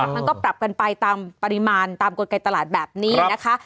มันก็ปรับกันไปตามปริมาณตามกลไกตลาดแบบนี้นะคะ